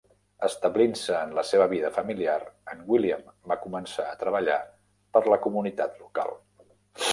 Establint-se en la seva vida familiar, en William va començar a treballar per la comunitat local.